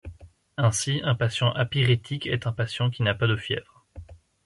Ainsi un patient apyrétique est un patient qui n'a pas de fièvre.